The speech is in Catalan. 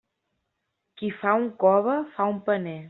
Qui fa un cove, fa un paner.